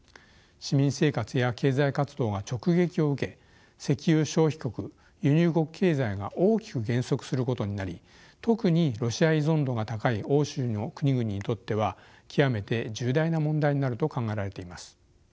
市民生活や経済活動が直撃を受け石油消費国輸入国経済が大きく減速することになり特にロシア依存度が高い欧州の国々にとっては極めて重大な問題になると考えられています。